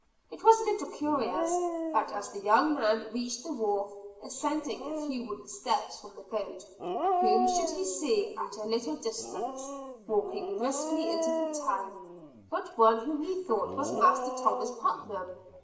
It was a little curious that as the young man reached the wharf, ascending a few wooden steps from the boat, whom should he see at a little distance, walking briskly into the town, but one who he thought was Master Thomas Putnam.